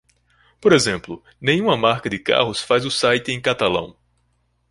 Por exemplo, nenhuma marca de carros faz o site em catalão.